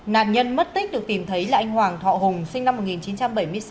nạn nhân mất tích được tìm thấy là anh hoàng thọ hùng sinh năm một nghìn chín trăm bảy mươi sáu